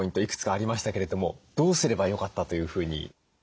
いくつかありましたけれどもどうすればよかったというふうに？